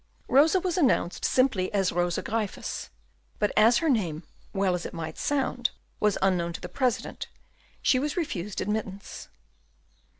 Rosa was announced simply as Rosa Gryphus; but as her name, well as it might sound, was unknown to the President, she was refused admittance.